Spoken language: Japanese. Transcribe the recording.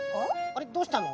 あれどうしたの？